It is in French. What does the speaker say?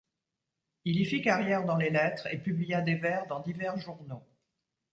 Il y fit carrière dans les lettres et publia des vers dans divers journaux.